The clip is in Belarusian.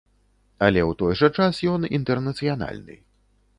Але ў той жа час ён інтэрнацыянальны.